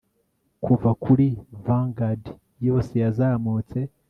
Kuva kuri vanguard yose yazamutse